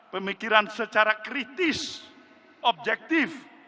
pemikiran secara kritis objektif